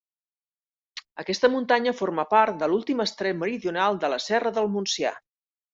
Aquesta muntanya forma part de l'últim estrep meridional de la Serra del Montsià.